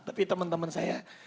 tapi teman teman saya